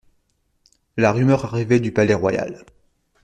La rumeur arrivait du Palais-Royal.